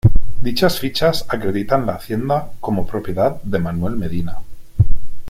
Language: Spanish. Dichas fichas acreditan la hacienda como propiedad de Manuel Medina.